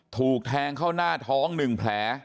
ถูกแทงเข้าหน้าท้อง๑แผล